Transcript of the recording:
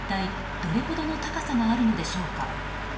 一体どれほどの高さがあるのでしょうか。